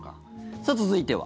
さあ、続いては。